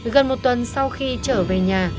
gần một tuần sau khi trở về nhà